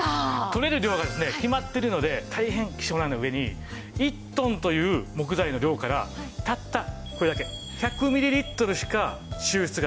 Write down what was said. とれる量がですね決まってるので大変希少な上に１トンという木材の量からたったこれだけ１００ミリリットルしか抽出ができないんです。